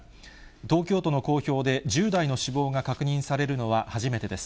東京都の公表で、１０代の死亡が確認されるのは初めてです。